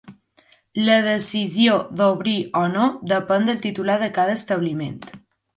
La decisió d'obrir o no depèn del titular de cada establiment.